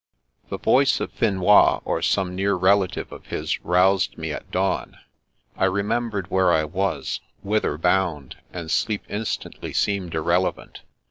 The voice of Finois ot son\e near relative of his roused me at dawn. I remembered where I was, whither bound, and sleep instantly seemed irrelevant.